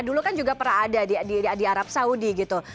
dulu kan juga pernah ada di arab saudi gitu